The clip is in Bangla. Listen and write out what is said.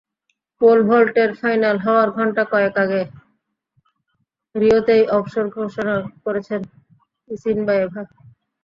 পোল ভল্টের ফাইনাল হওয়ার ঘণ্টা কয়েক আগে রিওতেই অবসর ঘোষণা করেছেন ইসিনবায়েভা।